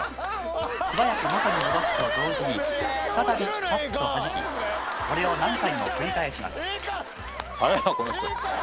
「素早く元に戻すと同時に再びパッとはじきこれを何回も繰り返します」